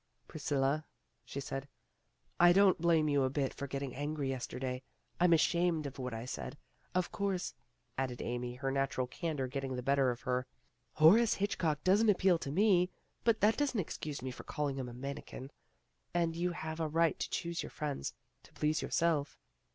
"Priscilla," she said, "I don't blame you a bit for getting angry yesterday. I 'm ashamed of what I said. Of course, '' added Amy, her natural candor getting the better of her, "Horace Hitchcock doesn't appeal to me, but that doesn't excuse me for calling him a manikin, and you have a right to choose your friends to please yourself."